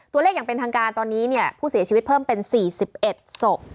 ตัวเลขทางการตอนนี้ผู้เสียชีวิตเปิ่มเป็น๔๖สก